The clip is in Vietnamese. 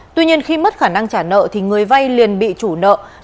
tuy nhiên khi mất khả năng trả nợ thì người vay liền bị chủ nợ